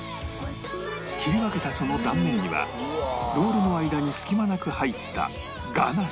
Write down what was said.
切り分けたその断面にはロールの間に隙間なく入ったガナッシュが